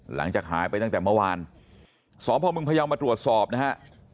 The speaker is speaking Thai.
หลังจากหายไปตั้งแต่เมื่อวานสพมพยาวมาตรวจสอบนะฮะ